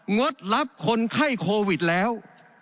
งดรับคนไข้โควิดแล้ว